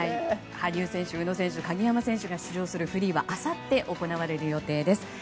羽生選手、宇野選手鍵山選手が出場するフリーはあさって、行われる予定です。